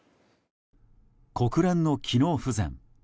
国連の機能不全。